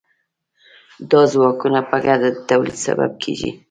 دا ځواکونه په ګډه د تولید سبب کیږي.